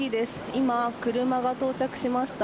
今、車が到着しました。